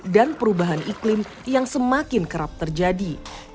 perubahan iklim yang semakin kerap terjadi